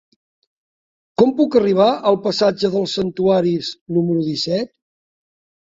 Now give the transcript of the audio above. Com puc arribar al passatge dels Santuaris número disset?